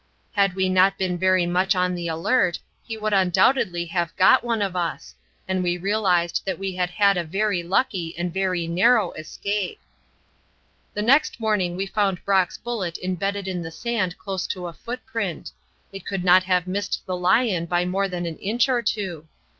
Had we not been very much on the alert, he would undoubtedly have got one of us, and we realised that we had had a very lucky and very narrow escape. The next morning we found Brock's bullet embedded in the sand close to a footprint; it could not have missed the lion by more than an inch or two.